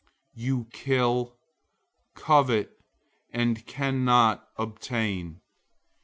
You kill, covet, and can't obtain.